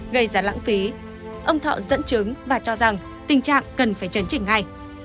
gây ra lãng phí ông thọ dẫn chứng và cho rằng tình trạng cần phải chấn chỉnh ngay